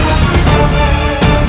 aku akan menemukanmu